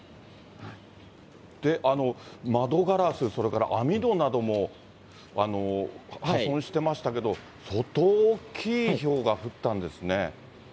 窓ガラス、それから網戸なども破損してましたけど、相当大きいひょうが降ったんですね。